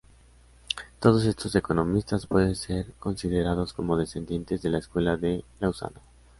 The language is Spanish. Todos estos economistas pueden ser considerados como descendientes de la Escuela de Lausana.